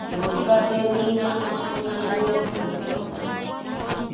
Yunkapi wiñaq mikhuna yuram purutuqa.